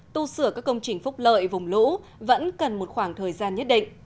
tu sửa các công trình phúc lợi vùng lũ vẫn cần một khoảng thời gian nhất định